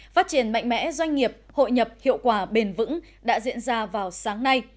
phát triển mạnh mẽ doanh nghiệp hội nhập hiệu quả bền vững đã diễn ra vào sáng nay